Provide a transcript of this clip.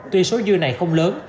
tuy số dư này không lớn